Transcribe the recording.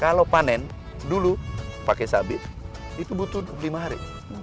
kalau panen dulu pakai sabit itu butuh lima hari